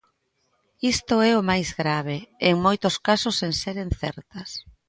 Isto é o máis grave: en moitos casos sen seren certas.